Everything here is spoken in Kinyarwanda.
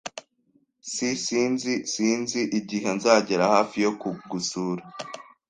S Sinzi Sinzi igihe nzagera hafi yo kugusura.